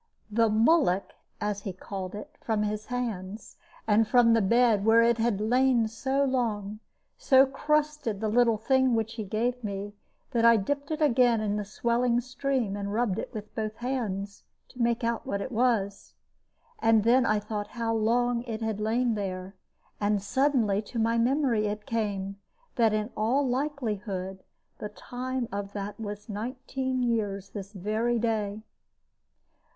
The "mullock," as he called it, from his hands, and from the bed where it had lain so long, so crusted the little thing which he gave me, that I dipped it again in the swelling stream, and rubbed it with both hands, to make out what it was. And then I thought how long it had lain there; and suddenly to my memory it came, that in all likelihood the time of that was nineteen years this very day.